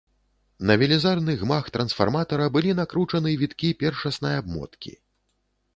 На велізарны гмах трансфарматара былі накручаны віткі першаснай абмоткі.